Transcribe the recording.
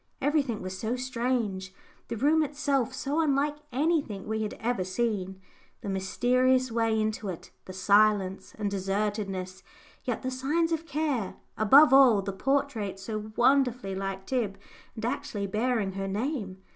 Everything was so strange; the room itself so unlike anything we had ever seen, the mysterious way into it, the silence and desertedness, yet the signs of care; above all, the portrait so wonderfully like Tib, and actually bearing her name.